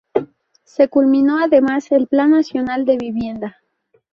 Se culminó además el Plan Nacional de Vivienda.